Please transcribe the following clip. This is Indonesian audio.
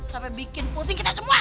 sampai bikin pusing kita semua